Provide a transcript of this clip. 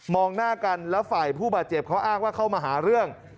หน้ากันแล้วฝ่ายผู้บาดเจ็บเขาอ้างว่าเข้ามาหาเรื่อง